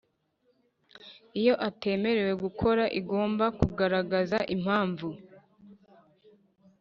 Iyo atemerewe gukora igomba kugaragaza impamvu